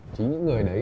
chính những người đấy